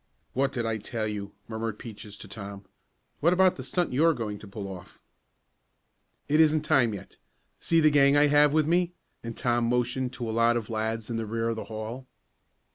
"What did I tell you?" murmured Peaches to Tom. "What about the stunt you were going to pull off?" "It isn't time yet. See the gang I have with me?" and Tom motioned to a lot of lads in the rear of the hall.